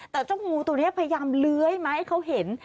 แต่เจ้างูตัวนี้พยายามเลื้อยมาให้เขาเห็น